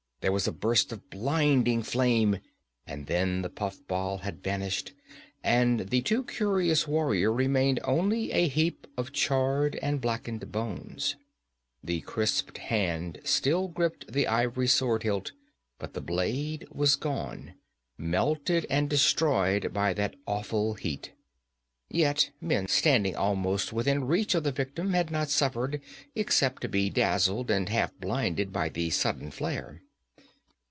There was a burst of blinding flame, and then the puffball had vanished, and the too curious warrior remained only a heap of charred and blackened bones. The crisped hand still gripped the ivory sword hilt, but the blade was gone melted and destroyed by that awful heat. Yet men standing almost within reach of the victim had not suffered except to be dazzled and half blinded by the sudden flare.